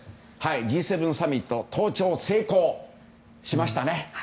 Ｇ７サミット登頂成功しましたね。